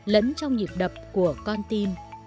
lẫn trong nhịp đập của con tim